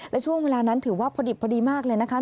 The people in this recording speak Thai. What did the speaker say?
และช่วงเวลานั้นถือว่าพอดิบพอดีมากเลยนะคะ